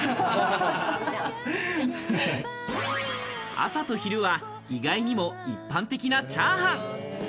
朝と昼は意外にも一般的なチャーハン。